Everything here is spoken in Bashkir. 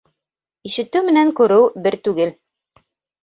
Ишетеү менән күреү бер түгел.